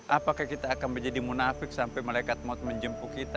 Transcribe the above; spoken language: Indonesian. apakah kita akan menjadi munafik sampai malaikat maut menjemput kita